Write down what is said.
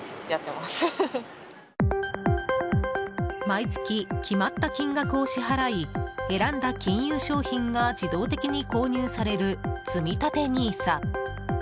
毎月決まった金額を支払い選んだ金融商品が自動的に購入されるつみたてＮＩＳＡ。